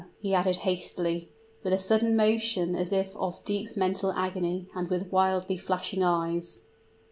he added, hastily, with a sudden motion as if of deep mental agony, and with wildly flashing eyes.